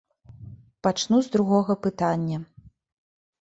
Пачну з другога пытання.